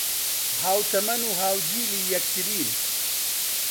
ھاوتەمەن و ھاوجیلی یەکترین